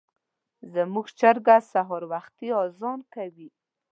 زموږ چرګه سهار وختي اذان کوي.